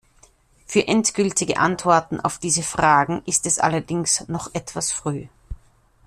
Für endgültige Antworten auf diese Fragen ist es allerdings noch etwas früh.